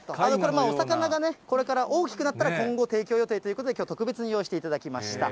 お魚がね、これから大きくなったら、今後、提供予定ということで、きょう、特別に用意していただきました。